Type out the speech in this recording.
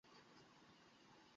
বাবু, থামো থামো!